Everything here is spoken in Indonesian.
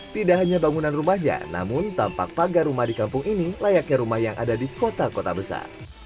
tidak hanya bangunan rumahnya namun tampak pagar rumah di kampung ini layaknya rumah yang ada di kota kota besar